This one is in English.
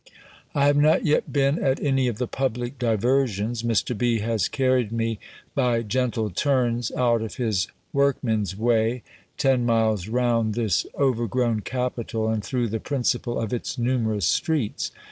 I have not yet been at any of the public diversions. Mr. B. has carried me, by gentle turns, out of his workmen's way, ten miles round this overgrown capital, and through the principal of its numerous streets.